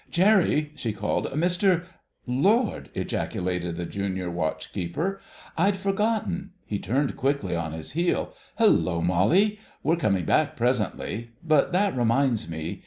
"Jerry!" she called; "Mr——" "Lord!" ejaculated the Junior Watch keeper, "I'd forgotten—" He turned quickly on his heel. "Hullo, Molly! We're coming back presently. But that reminds me..."